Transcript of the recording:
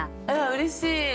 うれしい！